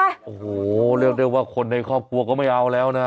โอ้โหเรียกได้ว่าคนในครอบครัวก็ไม่เอาแล้วนะ